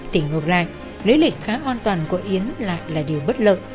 thì ngược lại lễ lịch khá an toàn của yến lại là điều bất lợi